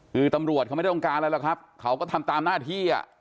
คือตำรวจเขาไม่ต้องการอะไรหรอกครับเขาก็ทำตามหน้าที่